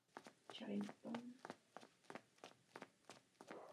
V ose lodi je čtvercová sakristie.